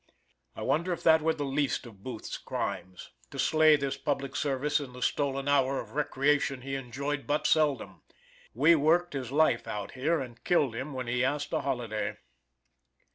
I wonder if that were the least of Booth's crimes to slay this public servant in the stolen hour of recreation he enjoyed but seldom. We worked his life out here, and killed him when he asked a holiday.